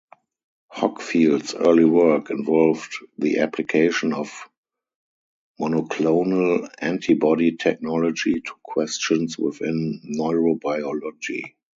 Hockfield's early work involved the application of monoclonal antibody technology to questions within neurobiology.